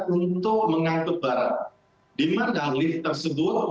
untuk mencari penyelidikan yang tersebut